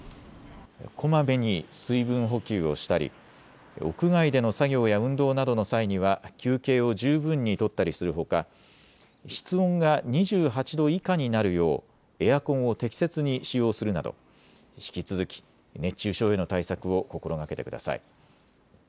こまめに水分補給をしたり屋外での作業や運動などの際には休憩を十分に取ったりするほか室温が２８度以下になるようエアコンを適切に使用するなど引き続き熱中症への対策を心がけてください。